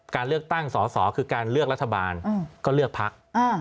การเลือกตั้งสอสอคือการเลือกรัฐบาลก็เลือกพัก